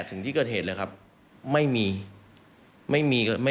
ฟังเสียงอาสามูลละนิทีสยามร่วมใจ